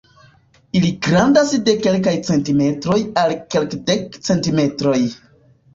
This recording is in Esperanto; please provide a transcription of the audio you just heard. Ili grandas de kelkaj cm al kelkdek cm.